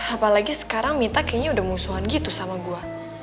apalagi sekarang minta kayaknya udah musuhan gitu sama gue